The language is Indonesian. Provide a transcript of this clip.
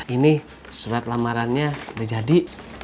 ini surat lamarannya udah jadi